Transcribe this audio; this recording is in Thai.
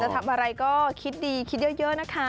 ทำอะไรก็คิดดีคิดเยอะนะคะ